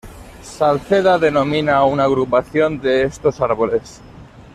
Salceda denomina a una agrupación de estos árboles.